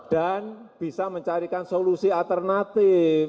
dan bisa mencarikan solusi alternatif